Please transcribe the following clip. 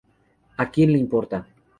A quien le importa.